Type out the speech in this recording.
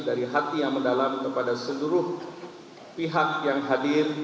dari hati yang mendalam kepada seluruh pihak yang hadir